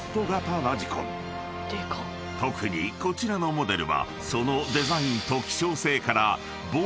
［特にこちらのモデルはそのデザインと希少性から］